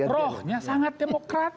rohnya sangat demokrat